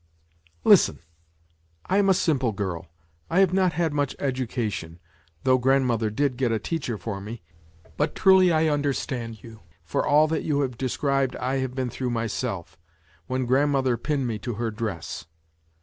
Listen; I am a simple gifl^ I have not had much education, though grandmother did get a teacher v for me, but truly I understand you, for all that you have described I have been through myself, when grandmother pinned me to her dress.